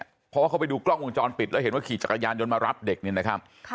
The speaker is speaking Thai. เพราะว่าเขาไปดูกล้องวงจรปิดแล้วเห็นว่าขี่จักรยานยนต์มารับเด็กเนี่ยนะครับ